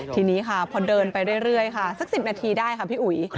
ทีนี้ค่ะพอเดินไปเรื่อยค่ะสัก๑๐นาทีได้ค่ะพี่อุ๋ย